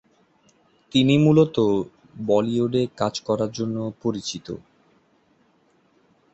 তিনি মূলত বলিউডে কাজ করার জন্য পরিচিত।